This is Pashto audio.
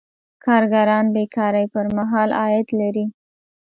کارګران بې کارۍ پر مهال عاید لري.